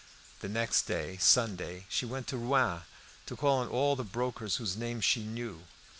The next day, Sunday, she went to Rouen to call on all the brokers whose names she knew.